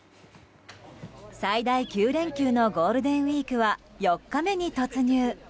最大９連休のゴールデンウィークは４日目に突入。